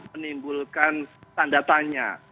menimbulkan tanda tanya